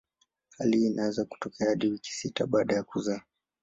Hali hii inaweza kutokea hadi wiki sita baada ya kuzaa.